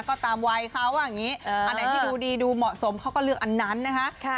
ก็ตามวัยเขาว่าอย่างนี้อันไหนที่ดูดีดูเหมาะสมเขาก็เลือกอันนั้นนะคะ